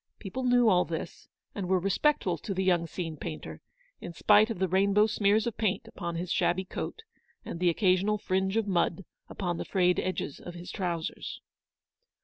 People knew THE BLACK BUILDING BY THE RIVER. 121 all this, and were respectful to the young scene painter, in spite of the rainbow smears of paint upon his shabby coat, and the occasional fringe of mud upon the frayed edges of his trousers.